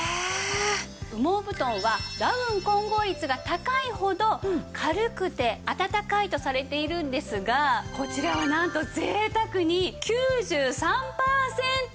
羽毛布団はダウン混合率が高いほど軽くてあたたかいとされているんですがこちらはなんと贅沢に９３パーセントとなっています。